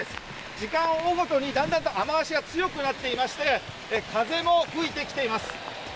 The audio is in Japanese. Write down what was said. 時間を追うごとにだんだんと雨足が強くなっていまして、風も吹いてきています。